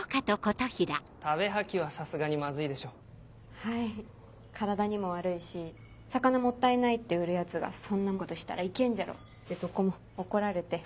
・食べ吐きはさすがにマズいでしょ・はい体にも悪いし「魚もったいないって売るヤツがそんなことしたらいけんじゃろ」ってとこも怒られて。